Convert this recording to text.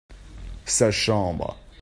sa chambre.